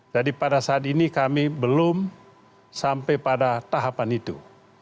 jadi pada saat ini kami belum sampai pada tahapan itu